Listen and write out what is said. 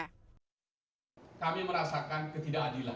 kami merasakan ketidakadilan